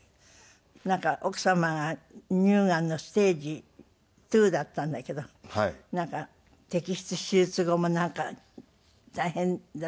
奥様が乳がんのステージⅡだったんだけど摘出手術後もなんか大変だったんですって？